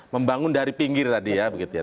membangun dari pinggir tadi ya